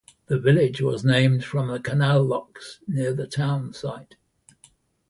The village was named from the canal locks near the town site.